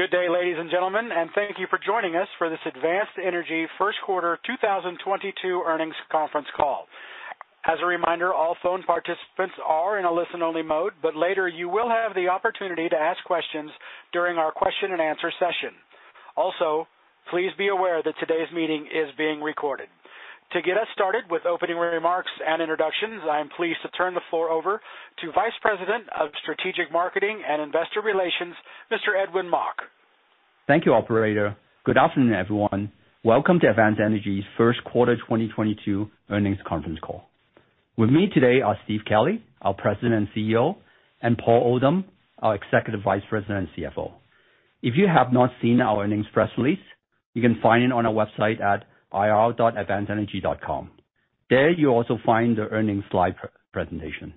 Good day, ladies and gentlemen, and thank you for joining us for this Advanced Energy first quarter 2022 earnings conference call. As a reminder, all phone participants are in a listen-only mode, but later you will have the opportunity to ask questions during our question and answer session. Also, please be aware that today's meeting is being recorded. To get us started with opening remarks and introductions, I am pleased to turn the floor over to Senior Vice President of Strategic Marketing and Investor Relations, Mr. Edwin Mok. Thank you, operator. Good afternoon, everyone. Welcome to Advanced Energy's first quarter 2022 earnings conference call. With me today are Steve Kelley, our President and CEO, and Paul Oldham, our Executive Vice President and CFO. If you have not seen our earnings press release, you can find it on our website at ir.advancedenergy.com. There you'll also find the earnings slide presentation.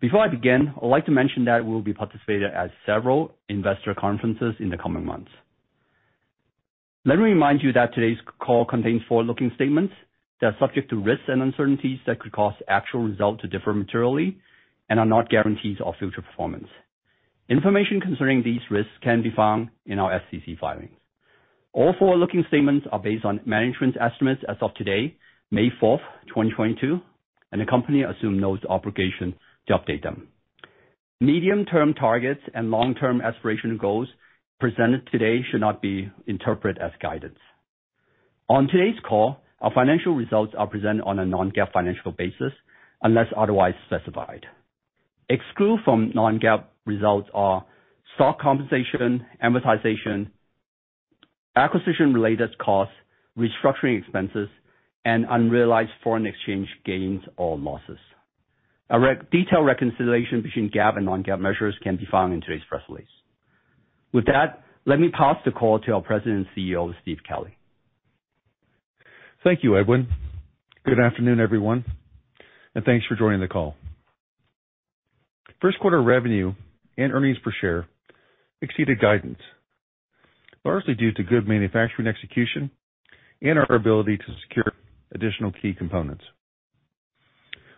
Before I begin, I'd like to mention that we'll be participating at several investor conferences in the coming months. Let me remind you that today's call contains forward-looking statements that are subject to risks and uncertainties that could cause actual results to differ materially and are not guarantees of future performance. Information concerning these risks can be found in our SEC filings. All forward-looking statements are based on management's estimates as of today, May 4, 2022, and the company assumes no obligation to update them. Medium-term targets and long-term aspirational goals presented today should not be interpreted as guidance. On today's call, our financial results are presented on a non-GAAP financial basis unless otherwise specified. Excluded from non-GAAP results are stock compensation, amortization, acquisition-related costs, restructuring expenses, and unrealized foreign exchange gains or losses. A detailed reconciliation between GAAP and non-GAAP measures can be found in today's press release. With that, let me pass the call to our President and CEO, Steve Kelley. Thank you, Edwin. Good afternoon, everyone, and thanks for joining the call. First quarter revenue and earnings per share exceeded guidance, largely due to good manufacturing execution and our ability to secure additional key components.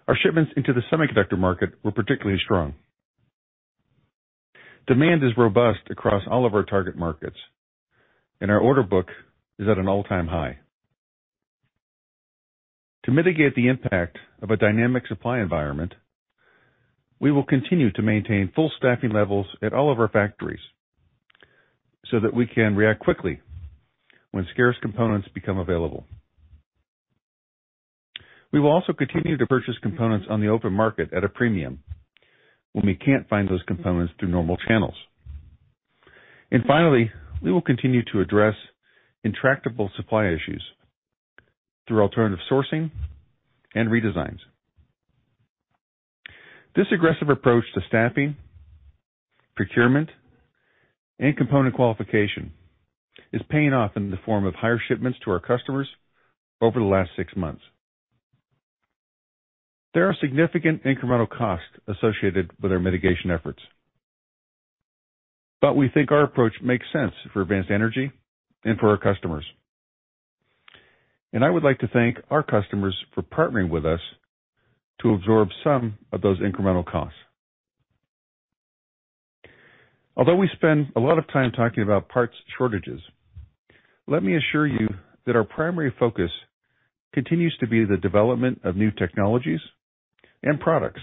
Our shipments into the semiconductor market were particularly strong. Demand is robust across all of our target markets, and our order book is at an all-time high. To mitigate the impact of a dynamic supply environment, we will continue to maintain full staffing levels at all of our factories so that we can react quickly when scarce components become available. We will also continue to purchase components on the open market at a premium when we can't find those components through normal channels. Finally, we will continue to address intractable supply issues through alternative sourcing and redesigns. This aggressive approach to staffing, procurement, and component qualification is paying off in the form of higher shipments to our customers over the last six months. There are significant incremental costs associated with our mitigation efforts, but we think our approach makes sense for Advanced Energy and for our customers. I would like to thank our customers for partnering with us to absorb some of those incremental costs. Although we spend a lot of time talking about parts shortages, let me assure you that our primary focus continues to be the development of new technologies and products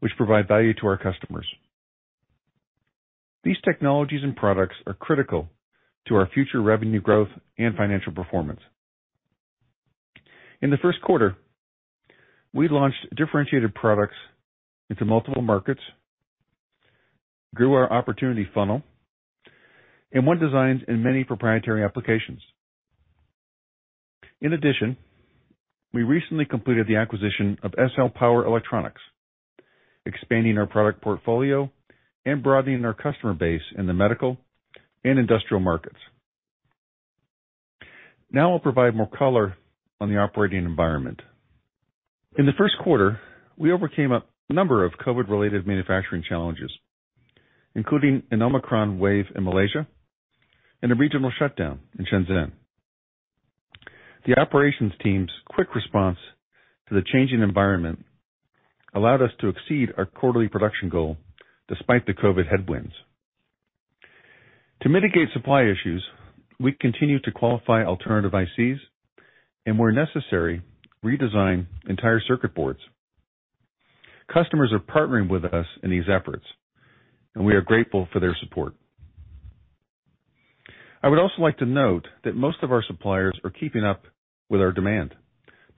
which provide value to our customers. These technologies and products are critical to our future revenue growth and financial performance. In the first quarter, we launched differentiated products into multiple markets, grew our opportunity funnel, and won designs in many proprietary applications. In addition, we recently completed the acquisition of SL Power Electronics, expanding our product portfolio and broadening our customer base in the medical and industrial markets. Now I'll provide more color on the operating environment. In the first quarter, we overcame a number of COVID-related manufacturing challenges, including an Omicron wave in Malaysia and a regional shutdown in Shenzhen. The operations team's quick response to the changing environment allowed us to exceed our quarterly production goal despite the COVID headwinds. To mitigate supply issues, we continue to qualify alternative ICs and where necessary, redesign entire circuit boards. Customers are partnering with us in these efforts, and we are grateful for their support. I would also like to note that most of our suppliers are keeping up with our demand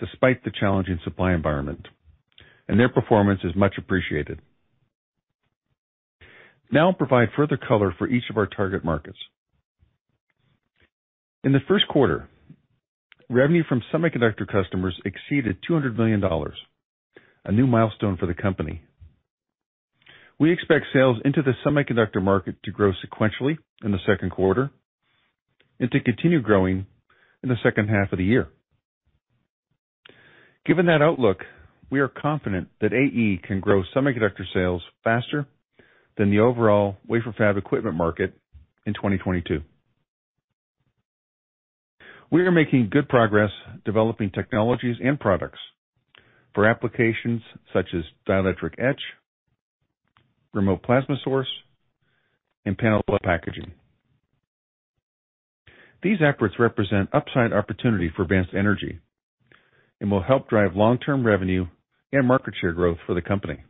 despite the challenging supply environment, and their performance is much appreciated. Now I'll provide further color for each of our target markets. In the first quarter, revenue from semiconductor customers exceeded $200 million, a new milestone for the company. We expect sales into the semiconductor market to grow sequentially in the second quarter and to continue growing in the second half of the year. Given that outlook, we are confident that AE can grow semiconductor sales faster than the overall wafer fab equipment market in 2022. We are making good progress developing technologies and products for applications such as dielectric etch, remote plasma source, and panel-level packaging. These efforts represent upside opportunity for Advanced Energy and will help drive long-term revenue and market share growth for the company.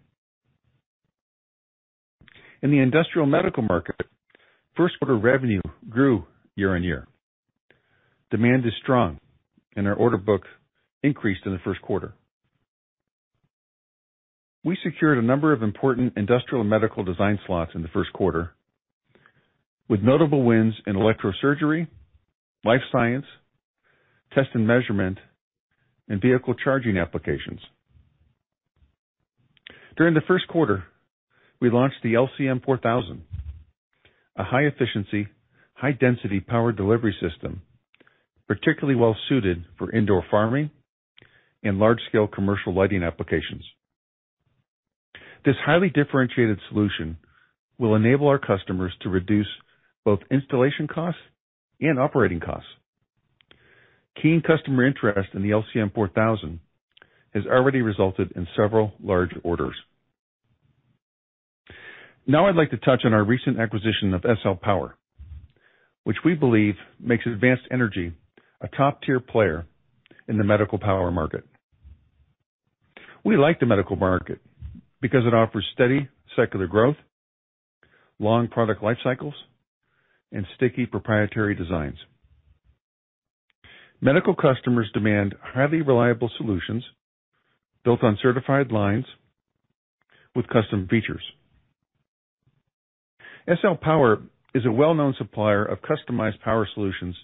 In the industrial medical market, first quarter revenue grew year-over-year. Demand is strong, and our order book increased in the first quarter. We secured a number of important industrial and medical design slots in the first quarter, with notable wins in electrosurgery, life science, test and measurement, and vehicle charging applications. During the first quarter, we launched the LCM 4000, a high efficiency, high density power delivery system, particularly well-suited for indoor farming and large-scale commercial lighting applications. This highly differentiated solution will enable our customers to reduce both installation costs and operating costs. Keen customer interest in the LCM 4000 has already resulted in several large orders. Now I'd like to touch on our recent acquisition of SL Power, which we believe makes Advanced Energy a top-tier player in the medical power market. We like the medical market because it offers steady secular growth, long product life cycles, and sticky proprietary designs. Medical customers demand highly reliable solutions built on certified lines with custom features. SL Power is a well-known supplier of customized power solutions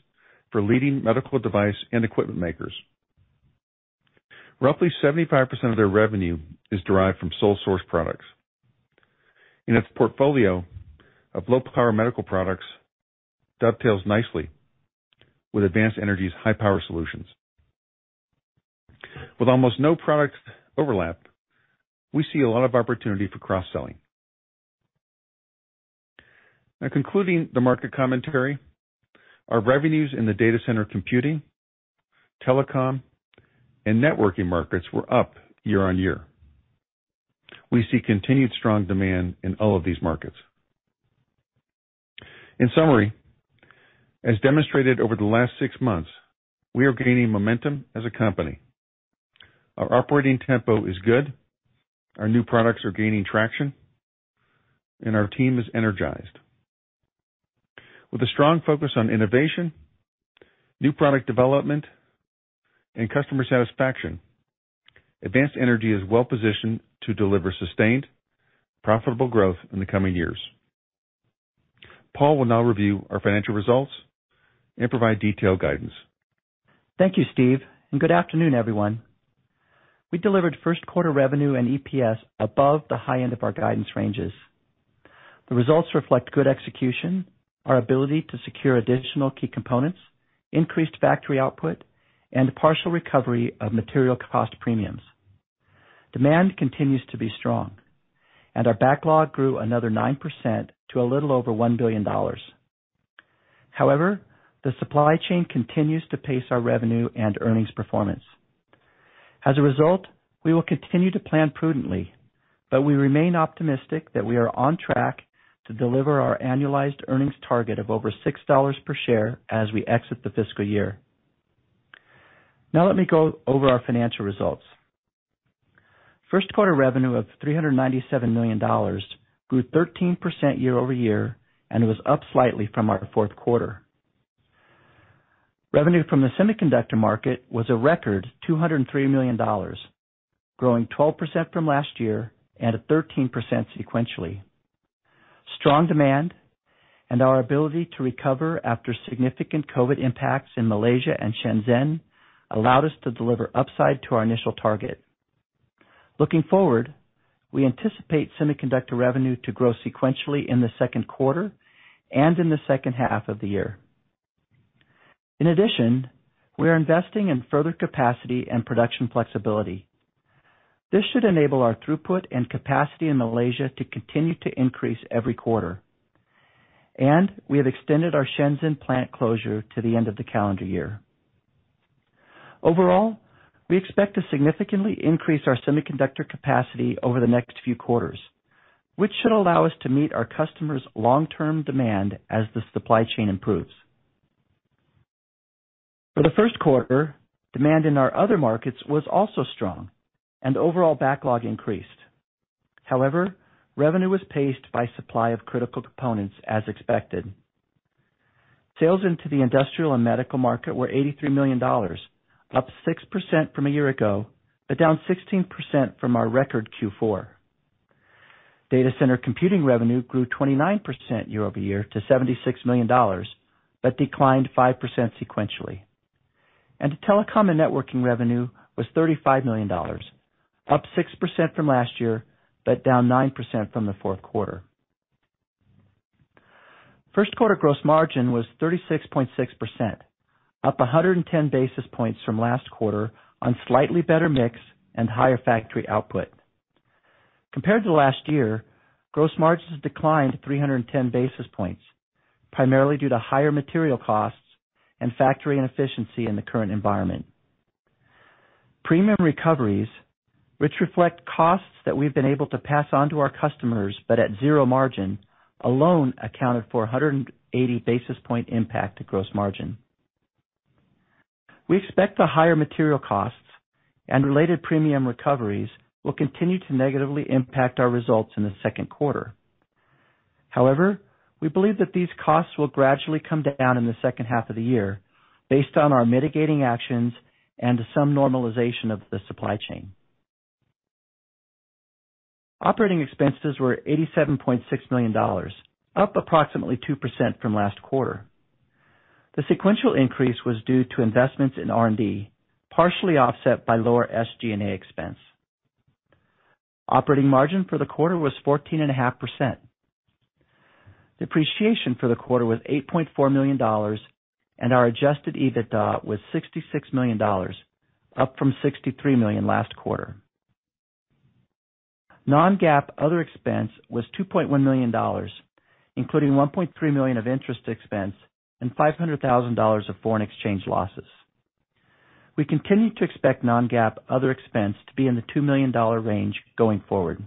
for leading medical device and equipment makers. Roughly 75% of their revenue is derived from sole source products. Its portfolio of low power medical products dovetails nicely with Advanced Energy's high-power solutions. With almost no product overlap, we see a lot of opportunity for cross-selling. Now concluding the market commentary, our revenues in the data center computing, telecom, and networking markets were up year-over-year. We see continued strong demand in all of these markets. In summary, as demonstrated over the last six months, we are gaining momentum as a company. Our operating tempo is good, our new products are gaining traction, and our team is energized. With a strong focus on innovation, new product development, and customer satisfaction, Advanced Energy is well positioned to deliver sustained, profitable growth in the coming years. Paul will now review our financial results and provide detailed guidance. Thank you, Steve, and good afternoon, everyone. We delivered first quarter revenue and EPS above the high end of our guidance ranges. The results reflect good execution, our ability to secure additional key components, increased factory output, and partial recovery of material cost premiums. Demand continues to be strong, and our backlog grew another 9% to a little over $1 billion. However, the supply chain continues to pace our revenue and earnings performance. As a result, we will continue to plan prudently, but we remain optimistic that we are on track to deliver our annualized earnings target of over $6 per share as we exit the fiscal year. Now let me go over our financial results. First quarter revenue of $397 million grew 13% year-over-year and was up slightly from our fourth quarter. Revenue from the semiconductor market was a record $203 million, growing 12% from last year and at 13% sequentially. Strong demand and our ability to recover after significant COVID impacts in Malaysia and Shenzhen allowed us to deliver upside to our initial target. Looking forward, we anticipate semiconductor revenue to grow sequentially in the second quarter and in the second half of the year. In addition, we are investing in further capacity and production flexibility. This should enable our throughput and capacity in Malaysia to continue to increase every quarter. We have extended our Shenzhen plant closure to the end of the calendar year. Overall, we expect to significantly increase our semiconductor capacity over the next few quarters, which should allow us to meet our customers' long-term demand as the supply chain improves. For the first quarter, demand in our other markets was also strong and overall backlog increased. However, revenue was paced by supply of critical components as expected. Sales into the industrial and medical market were $83 million, up 6% from a year ago, but down 16% from our record Q4. Data center computing revenue grew 29% year-over-year to $76 million, but declined 5% sequentially. Telecom and networking revenue was $35 million, up 6% from last year, but down 9% from the fourth quarter. First quarter gross margin was 36.6%, up 110 basis points from last quarter on slightly better mix and higher factory output. Compared to last year, gross margins declined 310 basis points, primarily due to higher material costs and factory inefficiency in the current environment. Premium recoveries, which reflect costs that we've been able to pass on to our customers, but at zero margin alone accounted for 180 basis points impact to gross margin. We expect the higher material costs and related premium recoveries will continue to negatively impact our results in the second quarter. However, we believe that these costs will gradually come down in the second half of the year based on our mitigating actions and some normalization of the supply chain. Operating expenses were $87.6 million, up approximately 2% from last quarter. The sequential increase was due to investments in R&D, partially offset by lower SG&A expense. Operating margin for the quarter was 14.5%. Depreciation for the quarter was $8.4 million, and our adjusted EBITDA was $66 million, up from $63 million last quarter. Non-GAAP other expense was $2.1 million, including $1.3 million of interest expense and $500,000 of foreign exchange losses. We continue to expect non-GAAP other expense to be in the $2 million range going forward.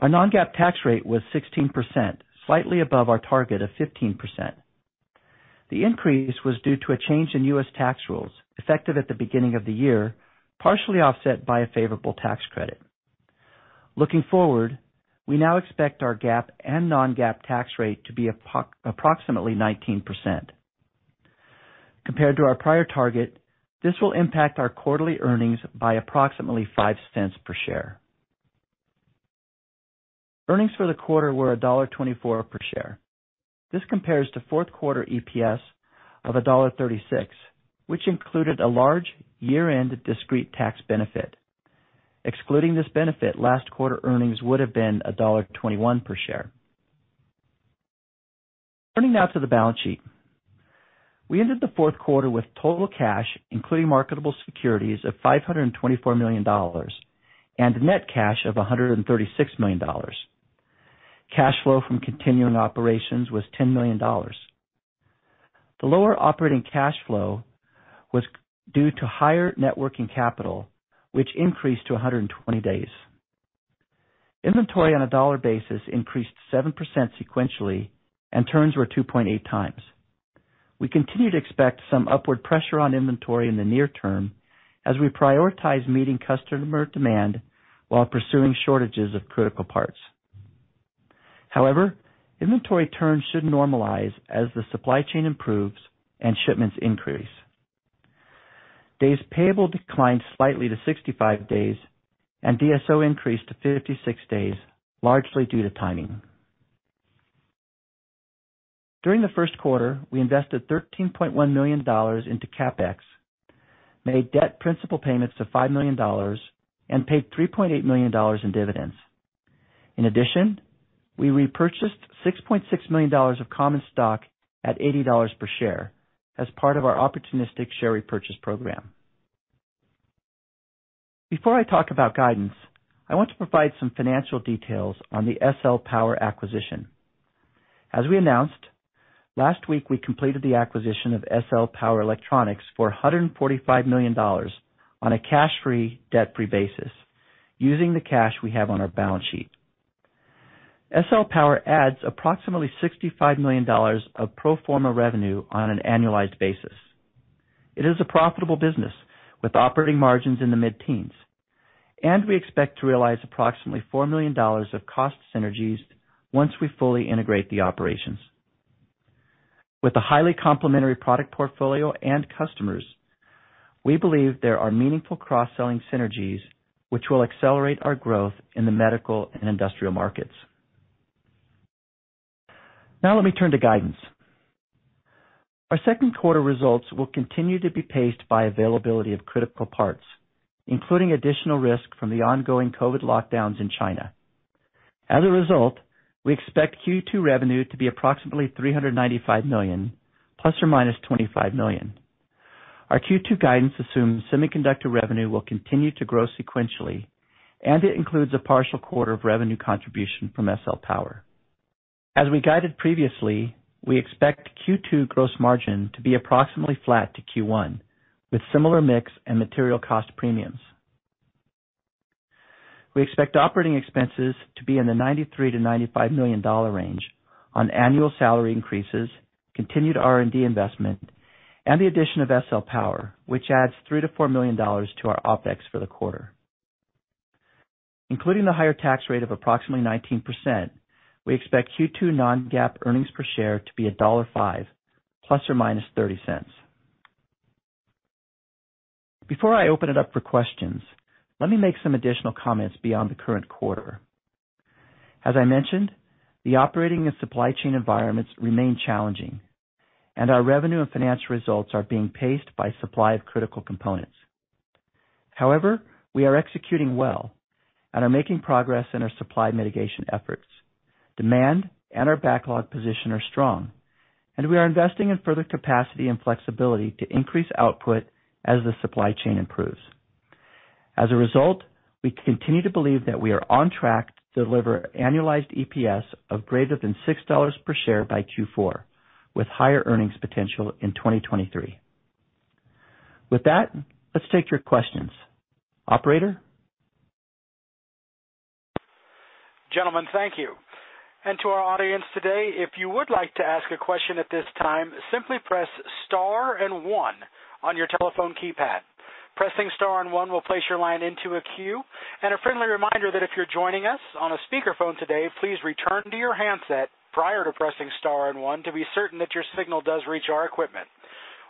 Our non-GAAP tax rate was 16%, slightly above our target of 15%. The increase was due to a change in U.S. tax rules effective at the beginning of the year, partially offset by a favorable tax credit. Looking forward, we now expect our GAAP and non-GAAP tax rate to be approximately 19%. Compared to our prior target, this will impact our quarterly earnings by approximately $0.05 per share. Earnings for the quarter were $1.24 per share. This compares to fourth quarter EPS of $1.36, which included a large year-end discrete tax benefit. Excluding this benefit, last quarter earnings would have been $1.21 per share. Turning now to the balance sheet. We ended the fourth quarter with total cash, including marketable securities, of $524 million and a net cash of $136 million. Cash flow from continuing operations was $10 million. The lower operating cash flow was due to higher net working capital, which increased to 120 days. Inventory on a dollar basis increased 7% sequentially, and turns were 2.8 times. We continue to expect some upward pressure on inventory in the near term as we prioritize meeting customer demand while pursuing shortages of critical parts. However, inventory turns should normalize as the supply chain improves and shipments increase. Days payable declined slightly to 65 days, and DSO increased to 56 days, largely due to timing. During the first quarter, we invested $13.1 million into CapEx, made debt principal payments to $5 million, and paid $3.8 million in dividends. In addition, we repurchased $6.6 million of common stock at $80 per share as part of our opportunistic share repurchase program. Before I talk about guidance, I want to provide some financial details on the SL Power acquisition. As we announced last week, we completed the acquisition of SL Power Electronics for $145 million on a cash-free, debt-free basis using the cash we have on our balance sheet. SL Power adds approximately $65 million of pro forma revenue on an annualized basis. It is a profitable business with operating margins in the mid-teens, and we expect to realize approximately $4 million of cost synergies once we fully integrate the operations. With a highly complementary product portfolio and customers, we believe there are meaningful cross-selling synergies which will accelerate our growth in the medical and industrial markets. Now let me turn to guidance. Our second quarter results will continue to be paced by availability of critical parts, including additional risk from the ongoing COVID lockdowns in China. As a result, we expect Q2 revenue to be approximately $395 million ± $25 million. Our Q2 guidance assumes semiconductor revenue will continue to grow sequentially, and it includes a partial quarter of revenue contribution from SL Power. As we guided previously, we expect Q2 gross margin to be approximately flat to Q1 with similar mix and material cost premiums. We expect operating expenses to be in the $93-$95 million range on annual salary increases, continued R&D investment, and the addition of SL Power, which adds $3-$4 million to our OpEx for the quarter. Including the higher tax rate of approximately 19%, we expect Q2 non-GAAP earnings per share to be $1.05 ± $0.30. Before I open it up for questions, let me make some additional comments beyond the current quarter. As I mentioned, the operating and supply chain environments remain challenging, and our revenue and financial results are being paced by supply of critical components. However, we are executing well and are making progress in our supply mitigation efforts. Demand and our backlog position are strong. We are investing in further capacity and flexibility to increase output as the supply chain improves. As a result, we continue to believe that we are on track to deliver annualized EPS of greater than $6 per share by Q4, with higher earnings potential in 2023. With that, let's take your questions. Operator? Gentlemen, thank you. To our audience today, if you would like to ask a question at this time, simply press Star and One on your telephone keypad. Pressing Star and One will place your line into a queue. A friendly reminder that if you're joining us on a speakerphone today, please return to your handset prior to pressing Star and One to be certain that your signal does reach our equipment.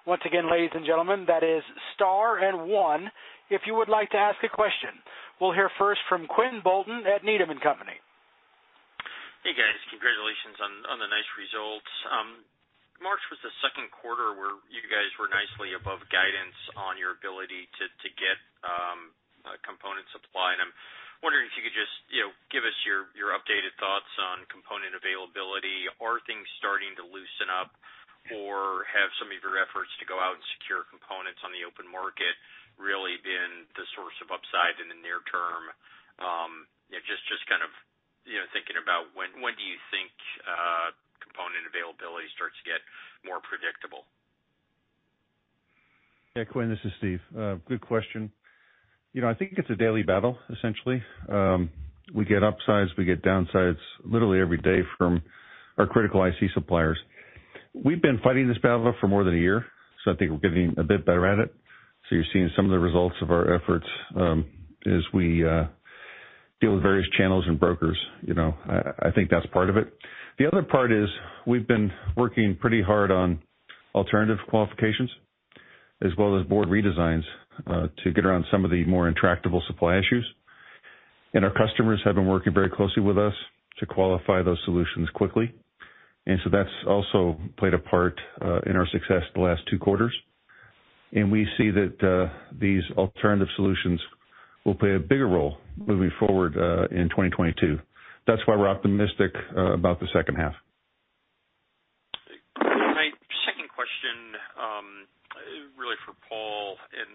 Once again, ladies and gentlemen, that is Star and One if you would like to ask a question. We'll hear first from Quinn Bolton at Needham & Company. Hey, guys. Congratulations on the nice results. March was the second quarter where you guys were nicely above guidance on your ability to get component supply. I'm wondering if you could just, you know, give us your updated thoughts on component availability. Are things starting to loosen up or have some of your efforts to go out and secure components on the open market really been the source of upside in the near term? Just kind of, you know, thinking about when do you think component availability starts to get more predictable? Yeah, Quinn, this is Steve. Good question. You know, I think it's a daily battle, essentially. We get upsides, we get downsides literally every day from our critical IC suppliers. We've been fighting this battle for more than a year, so I think we're getting a bit better at it. You're seeing some of the results of our efforts, as we deal with various channels and brokers. You know, I think that's part of it. The other part is we've been working pretty hard on alternative qualifications as well as board redesigns to get around some of the more intractable supply issues. Our customers have been working very closely with us to qualify those solutions quickly. That's also played a part in our success the last two quarters. We see that these alternative solutions will play a bigger role moving forward in 2022. That's why we're optimistic about the second half. My second question, really for Paul, and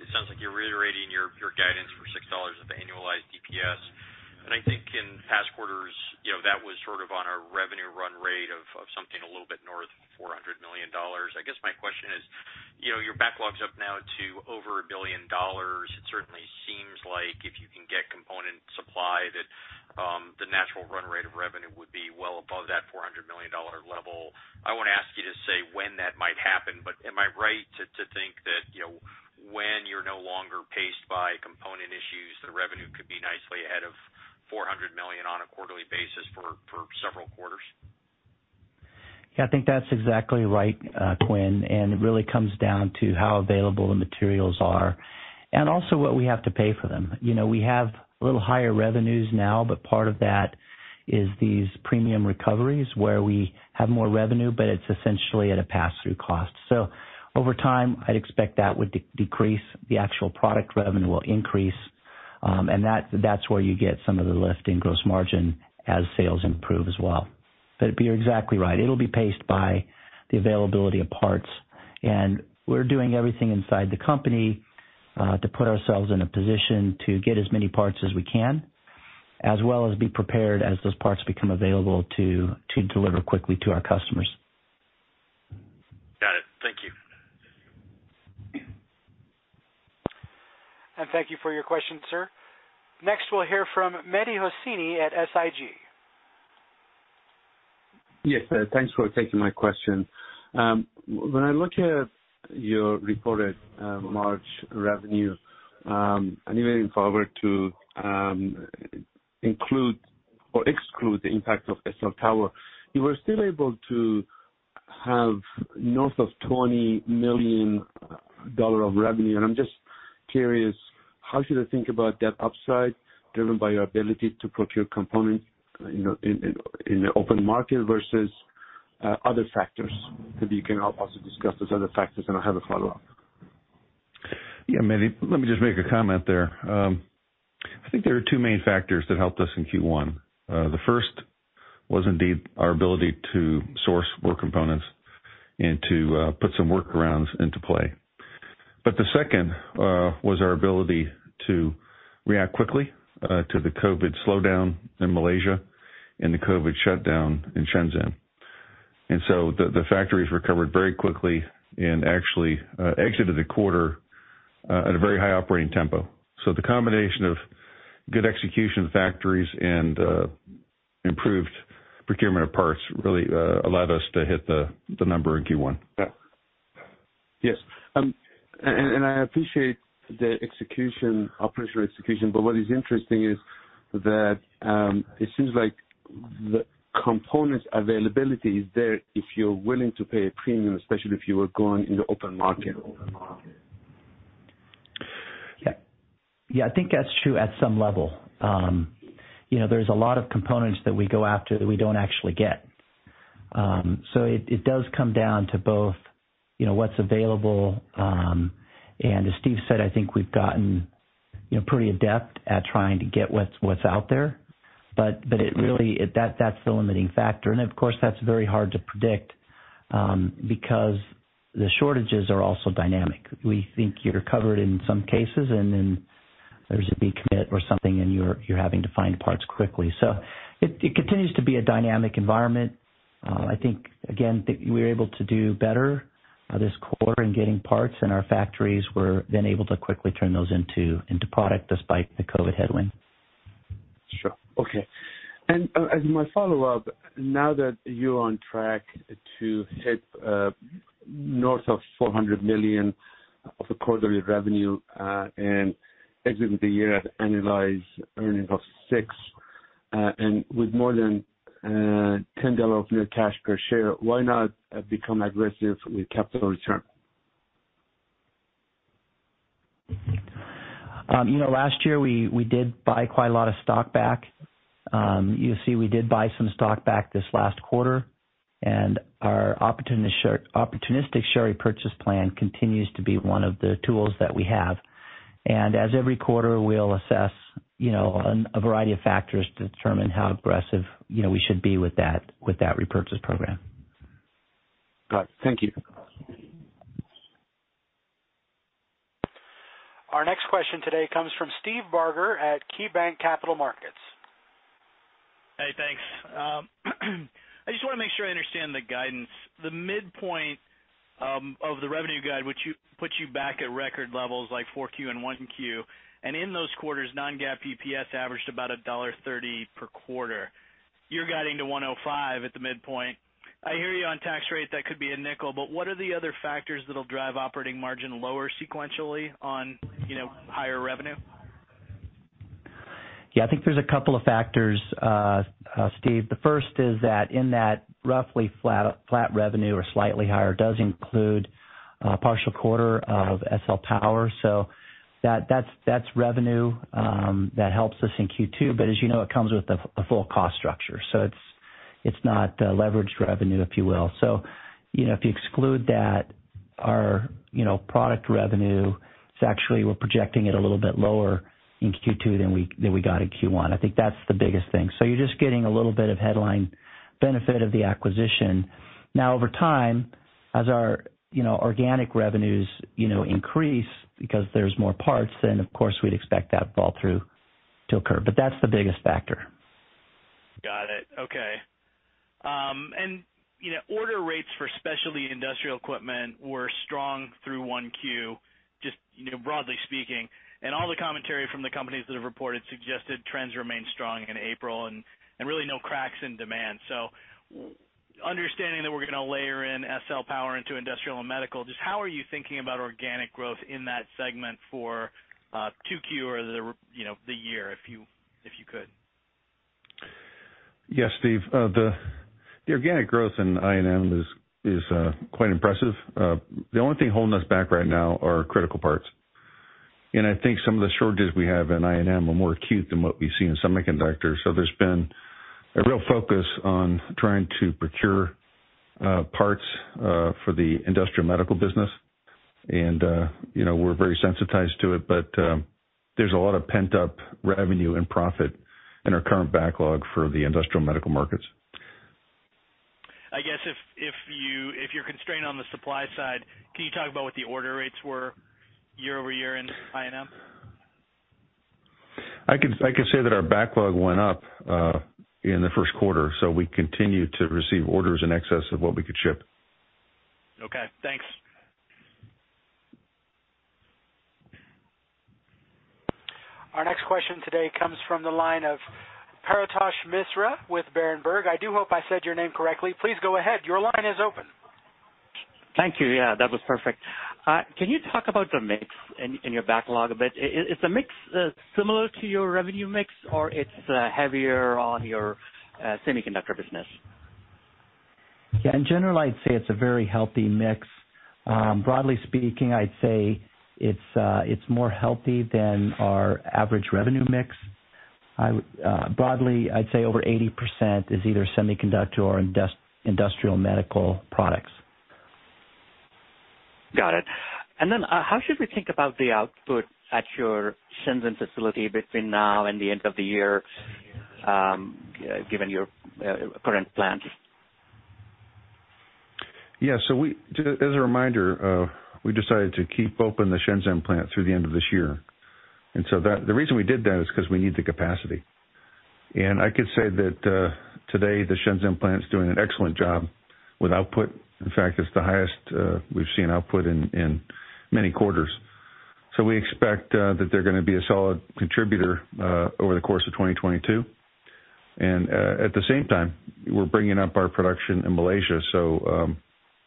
it sounds like you're reiterating your guidance for $6 of annualized EPS. I think in past quarters, you know, that was sort of on a revenue run rate of something a little bit north of $400 million. I guess my question is, you know, your backlog's up now to over $1 billion. It certainly seems like if you can get component supply, that the natural run rate of revenue would be well above that $400 million level. I won't ask you to say when that might happen, but am I right to think that, you know, when you're no longer paced by component issues, the revenue could be nicely ahead of $400 million on a quarterly basis for several quarters? Yeah, I think that's exactly right, Quinn, and it really comes down to how available the materials are and also what we have to pay for them. You know, we have a little higher revenues now, but part of that is these premium recoveries where we have more revenue, but it's essentially at a pass-through cost. Over time, I'd expect that would decrease, the actual product revenue will increase, and that's where you get some of the lift in gross margin as sales improve as well. You're exactly right. It'll be paced by the availability of parts, and we're doing everything inside the company to put ourselves in a position to get as many parts as we can, as well as be prepared as those parts become available to deliver quickly to our customers. Got it. Thank you. Thank you for your question, sir. Next, we'll hear from Mehdi Hosseini at SIG. Yes, thanks for taking my question. When I look at your reported March revenue, and even looking forward to include or exclude the impact of SL Power, you were still able to have north of $20 million of revenue. I'm just curious, how should I think about that upside driven by your ability to procure components, you know, in the open market versus other factors? Maybe you can help also discuss those other factors, and I have a follow-up. Yeah, Mehdi, let me just make a comment there. I think there are two main factors that helped us in Q1. The first was indeed our ability to source more components and to put some workarounds into play. The second was our ability to react quickly to the COVID slowdown in Malaysia and the COVID shutdown in Shenzhen. The factories recovered very quickly and actually exited the quarter at a very high operating tempo. The combination of good execution factories and improved procurement of parts really allowed us to hit the number in Q1. Yes. I appreciate the execution, operational execution, but what is interesting is that it seems like the components availability is there if you're willing to pay a premium, especially if you are going in the open market. Yeah. Yeah, I think that's true at some level. You know, there's a lot of components that we go after that we don't actually get. It does come down to both, you know, what's available, and as Steve said, I think we've gotten, you know, pretty adept at trying to get what's out there. It really is the limiting factor. Of course, that's very hard to predict, because the shortages are also dynamic. We think you're covered in some cases, and then there's a big commit or something, and you're having to find parts quickly. It continues to be a dynamic environment. I think again that we're able to do better this quarter in getting parts in our factories. We're then able to quickly turn those into product despite the COVID headwind. Sure. Okay. As my follow-up, now that you're on track to hit north of $400 million in quarterly revenue, and exit the year at annualized earnings of $6, and with more than $10 of net cash per share, why not become aggressive with capital return? You know, last year we did buy quite a lot of stock back. You'll see we did buy some stock back this last quarter, and our opportunistic share repurchase plan continues to be one of the tools that we have. As every quarter we'll assess, you know, on a variety of factors to determine how aggressive, you know, we should be with that repurchase program. Got it. Thank you. Our next question today comes from Steve Barger at KeyBanc Capital Markets. Hey, thanks. I just wanna make sure I understand the guidance. The midpoint of the revenue guide puts you back at record levels like Q4 and Q1. In those quarters, non-GAAP EPS averaged about $1.30 per quarter. You're guiding to $1.05 at the midpoint. I hear you on tax rate, that could be a nickel, but what are the other factors that'll drive operating margin lower sequentially on higher revenue? Yeah, I think there's a couple of factors, Steve. The first is that in that roughly flat revenue or slightly higher does include a partial quarter of SL Power. That's revenue that helps us in Q2, but as you know, it comes with a full cost structure. It's not leveraged revenue, if you will. You know, if you exclude that, our you know product revenue is actually we're projecting it a little bit lower in Q2 than we got in Q1. I think that's the biggest thing. You're just getting a little bit of headline benefit of the acquisition. Now over time, as our you know organic revenues you know increase because there's more parts, then of course we'd expect that fall through to occur. That's the biggest factor. Got it. Okay. You know, order rates for specialty industrial equipment were strong through 1Q, just, you know, broadly speaking. All the commentary from the companies that have reported suggested trends remain strong in April and really no cracks in demand. Understanding that we're gonna layer in SL Power into industrial and medical, just how are you thinking about organic growth in that segment for 2Q, you know, the year, if you could? Yes, Steve. The organic growth in INM is quite impressive. The only thing holding us back right now are critical parts. I think some of the shortages we have in INM are more acute than what we see in semiconductors. There's been a real focus on trying to procure parts for the industrial medical business. You know, we're very sensitized to it, but there's a lot of pent-up revenue and profit in our current backlog for the industrial medical markets. I guess if you're constrained on the supply side, can you talk about what the order rates were year-over-year in INM? I can say that our backlog went up in the first quarter, so we continue to receive orders in excess of what we could ship. Okay, thanks. Our next question today comes from the line of Paretosh Misra with Berenberg. I do hope I said your name correctly. Please go ahead. Your line is open. Thank you. Yeah, that was perfect. Can you talk about the mix in your backlog a bit? Is the mix similar to your revenue mix or it's heavier on your semiconductor business? Yeah. In general, I'd say it's a very healthy mix. Broadly speaking, I'd say it's more healthy than our average revenue mix. Broadly, I'd say over 80% is either semiconductor or industrial medical products. Got it. How should we think about the output at your Shenzhen facility between now and the end of the year, given your current plans? Just as a reminder, we decided to keep open the Shenzhen plant through the end of this year. The reason we did that is 'cause we need the capacity. I could say that today, the Shenzhen plant is doing an excellent job with output. In fact, it's the highest output we've seen in many quarters. We expect that they're gonna be a solid contributor over the course of 2022. At the same time, we're bringing up our production in Malaysia.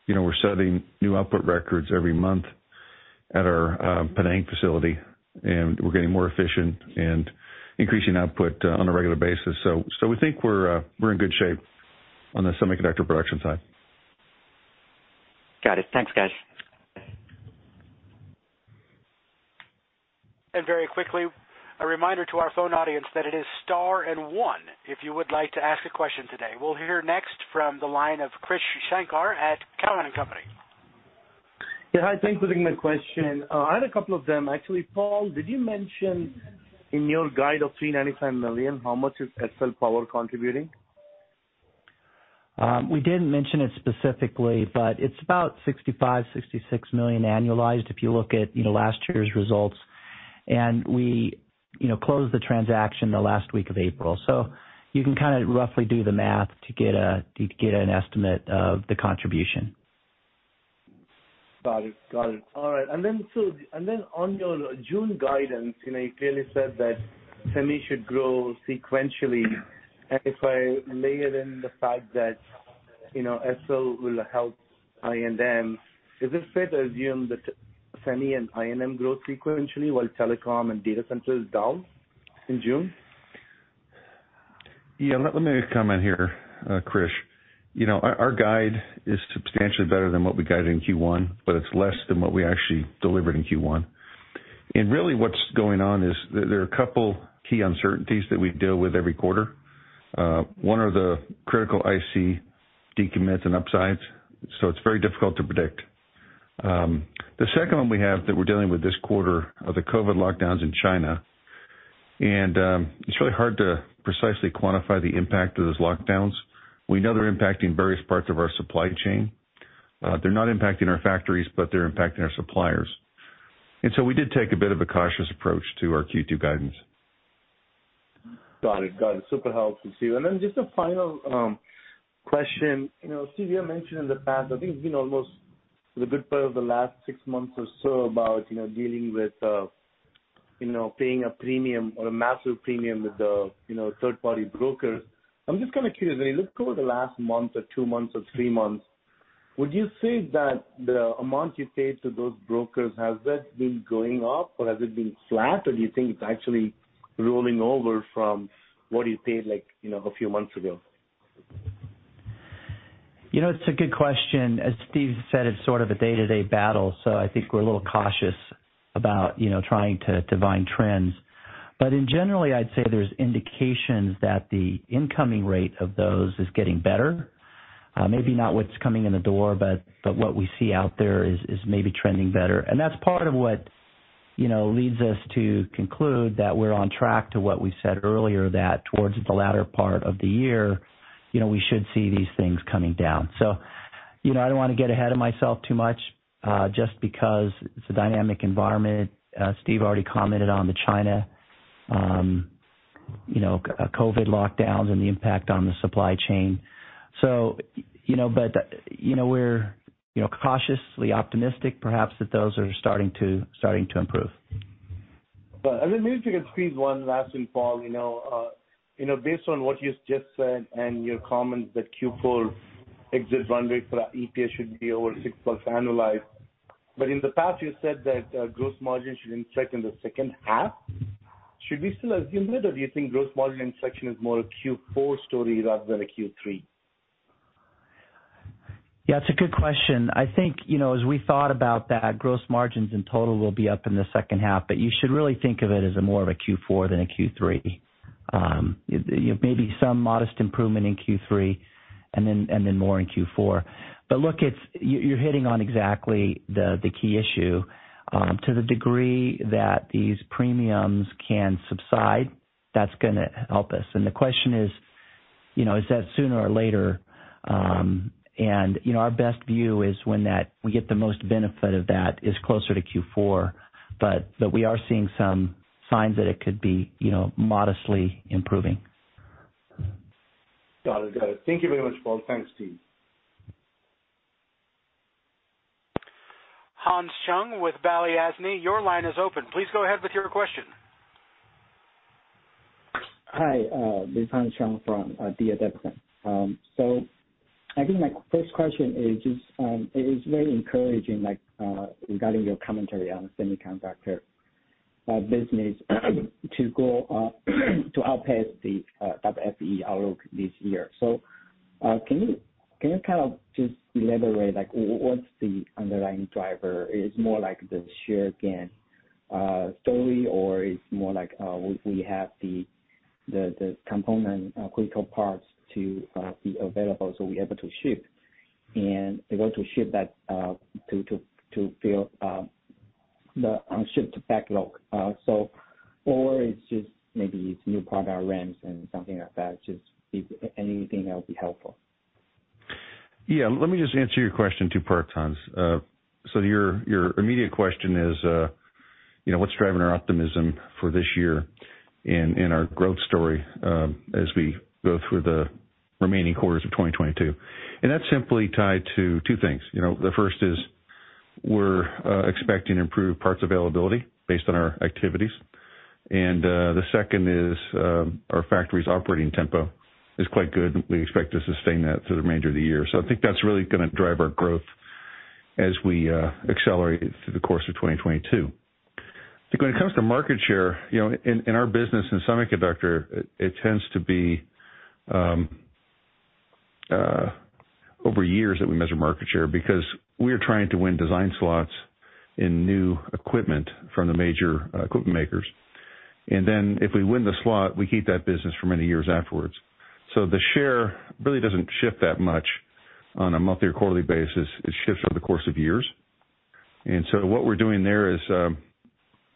You know, we're setting new output records every month at our Penang facility, and we're getting more efficient and increasing output on a regular basis. We think we're in good shape on the semiconductor production side. Got it. Thanks, guys. Very quickly, a reminder to our phone audience that it is star and one if you would like to ask a question today. We'll hear next from the line of Krish Sankar at Cowen and Company. Yeah. Hi, thanks for taking my question. I had a couple of them actually. Paul, did you mention in your guidance of $395 million how much is SL Power contributing? We didn't mention it specifically, but it's about $65 million-$66 million annualized if you look at, you know, last year's results. We, you know, closed the transaction the last week of April. You can kind of roughly do the math to get an estimate of the contribution. Got it. All right. On your June guidance, you know, you clearly said that semi should grow sequentially. If I layer in the fact that, you know, SL will help INM, is it fair to assume that semi and INM grow sequentially while telecom and data center is down in June? Yeah. Let me comment here, Krish. You know, our guide is substantially better than what we guided in Q1, but it's less than what we actually delivered in Q1. Really what's going on is there are a couple key uncertainties that we deal with every quarter. One are the critical IC decommits and upsides, so it's very difficult to predict. The second one we have that we're dealing with this quarter are the COVID lockdowns in China. It's really hard to precisely quantify the impact of those lockdowns. We know they're impacting various parts of our supply chain. They're not impacting our factories, but they're impacting our suppliers. We did take a bit of a cautious approach to our Q2 guidance. Got it. Super helpful, Steve. Then just a final question. You know, Steve, you mentioned in the past, I think it's been almost for the good part of the last six months or so about, you know, dealing with, you know, paying a premium or a massive premium with the, you know, third-party brokers. I'm just kinda curious, I mean, looking over the last month or two months or three months, would you say that the amount you paid to those brokers has that been going up or has it been flat, or do you think it's actually rolling over from what you paid like, you know, a few months ago? You know, it's a good question. As Steve said, it's sort of a day-to-day battle, so I think we're a little cautious about, you know, trying to divine trends. In general, I'd say there's indications that the incoming rate of those is getting better. Maybe not what's coming in the door, but what we see out there is maybe trending better. That's part of what, you know, leads us to conclude that we're on track to what we said earlier, that towards the latter part of the year, you know, we should see these things coming down. You know, I don't wanna get ahead of myself too much, just because it's a dynamic environment. Steve already commented on the China COVID lockdowns and the impact on the supply chain. You know, but you know, we're you know cautiously optimistic perhaps that those are starting to improve. maybe if you could squeeze one last in, Paul, you know. You know, based on what you just said and your comments that Q4 exit runway for EPS should be over 6+ annualized. In the past you said that gross margin should inflect in the second half. Should we still assume it, or do you think gross margin inflection is more a Q4 story rather than a Q3? Yeah, it's a good question. I think, you know, as we thought about that, gross margins in total will be up in the second half, but you should really think of it as a more of a Q4 than a Q3. You know, maybe some modest improvement in Q3 and then more in Q4. Look, it's. You're hitting on exactly the key issue. To the degree that these premiums can subside, that's gonna help us. The question is, you know, is that sooner or later? You know, our best view is when that we get the most benefit of that is closer to Q4, but we are seeing some signs that it could be, you know, modestly improving. Got it. Got it. Thank you very much, Paul. Thanks, Steve. Hans Chung with Balyasny, your line is open. Please go ahead with your question. Hi, this is Hans Chung from Balyasny. I think my first question is just it is very encouraging like regarding your commentary on semiconductor business to go to outpace the WFE outlook this year. Can you kind of just elaborate like what's the underlying driver? Is more like the share gain story or it's more like we have the critical components to be available, so we're able to ship that to fill the unshipped backlog? Or it's just maybe it's new product ramps and something like that. Just if anything that would be helpful. Yeah. Let me just answer your question in two parts, Hans. Your immediate question is, you know, what's driving our optimism for this year in our growth story as we go through the remaining quarters of 2022. That's simply tied to two things. You know, the first is we're expecting improved parts availability based on our activities. The second is our factory's operating tempo is quite good, and we expect to sustain that through the remainder of the year. I think that's really gonna drive our growth as we accelerate through the course of 2022. When it comes to market share, you know, in our business in semiconductor, it tends to be over years that we measure market share because we are trying to win design slots in new equipment from the major equipment makers. If we win the slot, we keep that business for many years afterwards. The share really doesn't shift that much on a monthly or quarterly basis. It shifts over the course of years. What we're doing there is,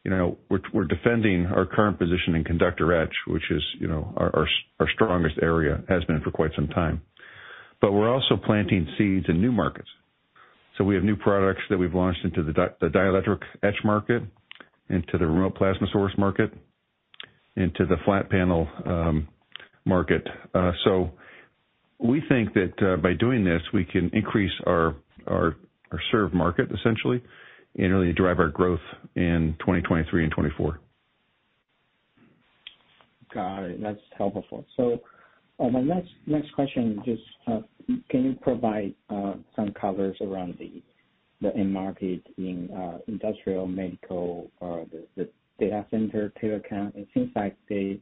you know, we're defending our current position in conductor etch, which is, you know, our strongest area, has been for quite some time. We're also planting seeds in new markets. We have new products that we've launched into the dielectric etch market, into the remote plasma source market, into the flat panel market. We think that by doing this, we can increase our served market essentially, and really drive our growth in 2023 and 2024. Got it. That's helpful. My next question, can you provide some colors around the end market in industrial, medical, or the data center, telecom? It seems like the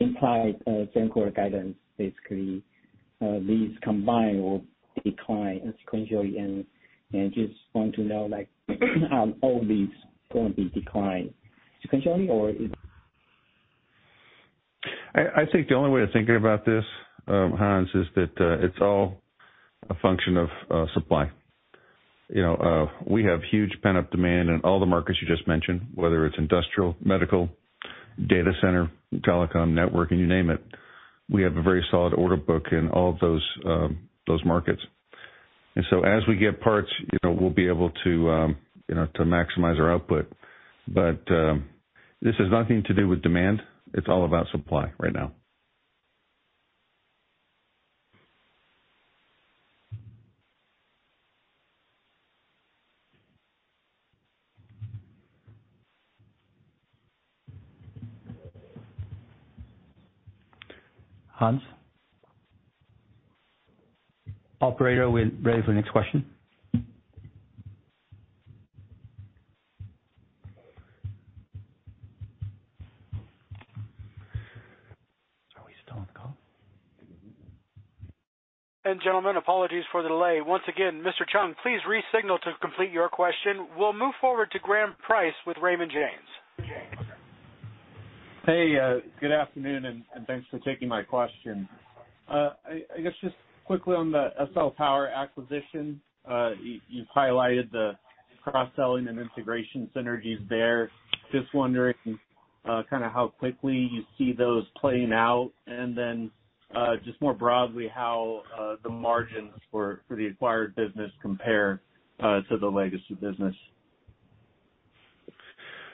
implied same quarter guidance, basically, these combined will decline sequentially. Just want to know, like, all these gonna be declined sequentially, or if- I think the only way to think about this, Hans, is that it's all a function of supply. You know, we have huge pent-up demand in all the markets you just mentioned, whether it's industrial, medical, data center, telecom, network, and you name it. We have a very solid order book in all of those markets. As we get parts, you know, we'll be able to you know, to maximize our output. This has nothing to do with demand. It's all about supply right now. Hans? Operator, we're ready for the next question. Are we still on the call? Gentlemen, apologies for the delay. Once again, Mr. Chung, please re-signal to complete your question. We'll move forward to Graham Price with Raymond James. Hey, good afternoon, and thanks for taking my question. I guess just quickly on the SL Power acquisition. You've highlighted the cross-selling and integration synergies there. Just wondering, kinda how quickly you see those playing out, and then, just more broadly, how the margins for the acquired business compare to the legacy business.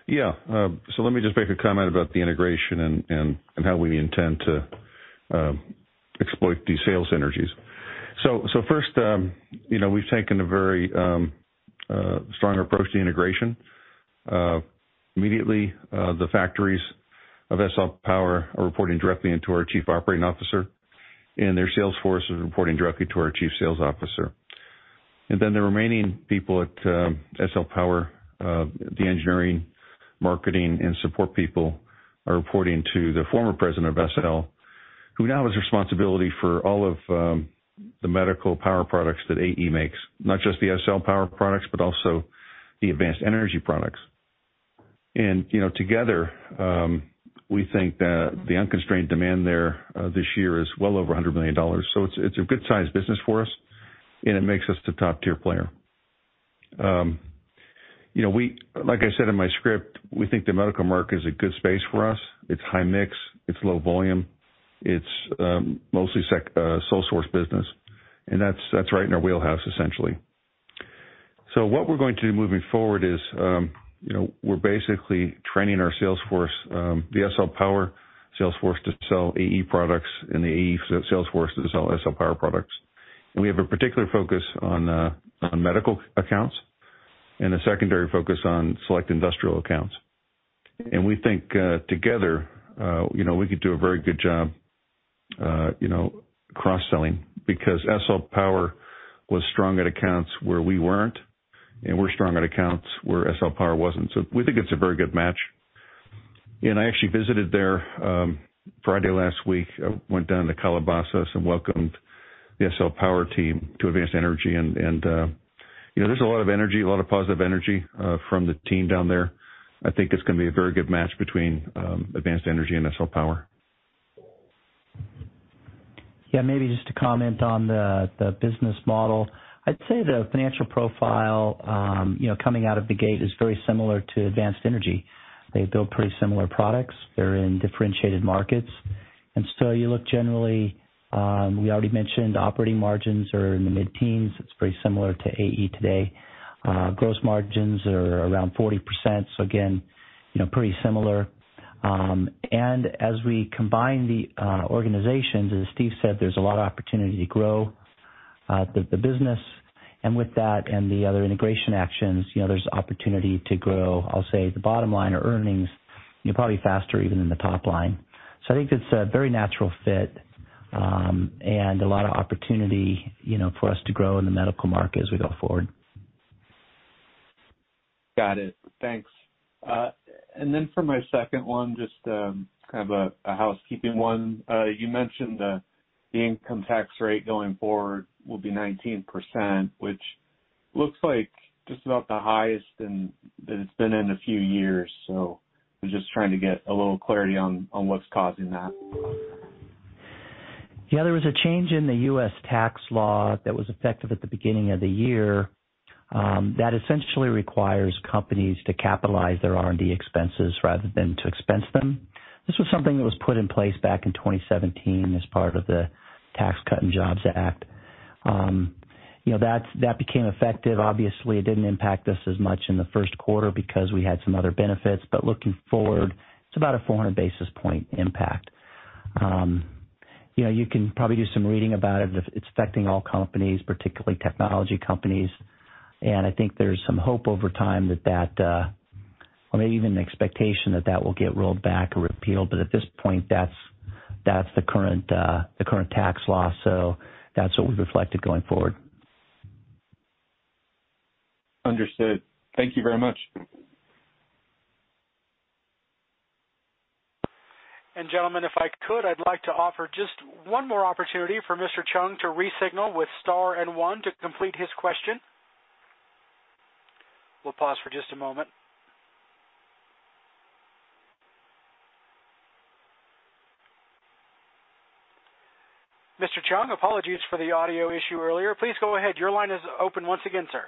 Yeah. Let me just make a comment about the integration and how we intend to exploit these sales synergies. First, you know, we've taken a very strong approach to integration. Immediately, the factories of SL Power are reporting directly into our chief operating officer, and their sales force is reporting directly to our chief sales officer. Then the remaining people at SL Power, the engineering, marketing, and support people are reporting to the former president of SL, who now has responsibility for all of the medical power products that AE makes. Not just the SL Power products, but also the Advanced Energy products. You know, together, we think that the unconstrained demand there this year is well over $100 million. It's a good-sized business for us, and it makes us the top-tier player. You know, like I said in my script, we think the medical market is a good space for us. It's high mix, it's low volume, it's mostly sole source business, and that's right in our wheelhouse, essentially. What we're going to do moving forward is, you know, we're basically training our sales force, the SL Power sales force to sell AE products and the AE sales force to sell SL Power products. We have a particular focus on medical accounts, and a secondary focus on select industrial accounts. We think, together, you know, we could do a very good job, you know, cross-selling because SL Power was strong at accounts where we weren't, and we're strong at accounts where SL Power wasn't. We think it's a very good match. I actually visited there, Friday last week. I went down to Calabasas and welcomed the SL Power team to Advanced Energy. You know, there's a lot of energy, a lot of positive energy, from the team down there. I think it's gonna be a very good match between Advanced Energy and SL Power. Yeah, maybe just to comment on the business model. I'd say the financial profile, you know, coming out of the gate is very similar to Advanced Energy. They build pretty similar products. They're in differentiated markets. You look generally, we already mentioned operating margins are in the mid-teens. It's pretty similar to AE today. Gross margins are around 40%, so again, you know, pretty similar. As we combine the organizations, as Steve said, there's a lot of opportunity to grow the business. With that and the other integration actions, you know, there's opportunity to grow, I'll say, the bottom line or earnings, you know, probably faster even than the top line. I think it's a very natural fit, and a lot of opportunity, you know, for us to grow in the medical market as we go forward. Got it. Thanks. And then for my second one, just kind of a housekeeping one. You mentioned the income tax rate going forward will be 19%, which looks like just about the highest it's been in a few years. I'm just trying to get a little clarity on what's causing that. Yeah, there was a change in the U.S. tax law that was effective at the beginning of the year, that essentially requires companies to capitalize their R&D expenses rather than to expense them. This was something that was put in place back in 2017 as part of the Tax Cuts and Jobs Act. You know, that became effective. Obviously, it didn't impact us as much in the first quarter because we had some other benefits. Looking forward, it's about a 400 basis point impact. You know, you can probably do some reading about it. It's affecting all companies, particularly technology companies. I think there's some hope over time that or maybe even an expectation that that will get rolled back or repealed. At this point, that's the current tax law. That's what we've reflected going forward. Understood. Thank you very much. Gentlemen, if I could, I'd like to offer just one more opportunity for Mr. Chung to press star one to complete his question. We'll pause for just a moment. Mr. Chung, apologies for the audio issue earlier. Please go ahead. Your line is open once again, sir.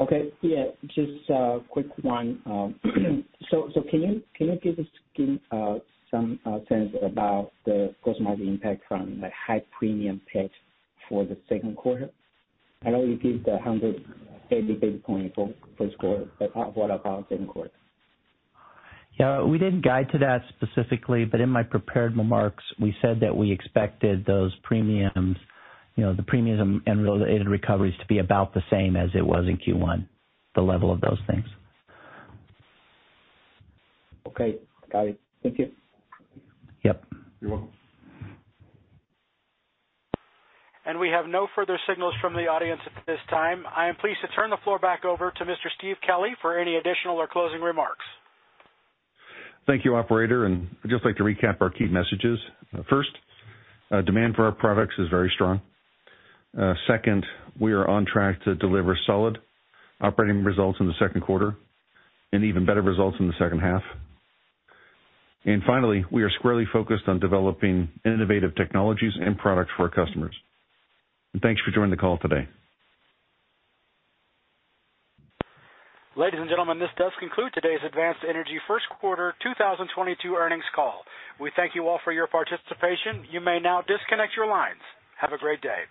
Okay. Yeah, just a quick one. Can you give us some sense about the cost margin impact from the high premium pitch for the second quarter? I know you gave the 180 basis points for first quarter, but what about second quarter? Yeah, we didn't guide to that specifically, but in my prepared remarks, we said that we expected those premiums, you know, the premiums and related recoveries to be about the same as it was in Q1, the level of those things. Okay, got it. Thank you. Yep. You're welcome. We have no further signals from the audience at this time. I am pleased to turn the floor back over to Mr. Steve Kelley for any additional or closing remarks. Thank you, operator, and I'd just like to recap our key messages. First, demand for our products is very strong. Second, we are on track to deliver solid operating results in the second quarter and even better results in the second half. Finally, we are squarely focused on developing innovative technologies and products for our customers. Thanks for joining the call today. Ladies and gentlemen, this does conclude today's Advanced Energy first quarter 2022 earnings call. We thank you all for your participation. You may now disconnect your lines. Have a great day.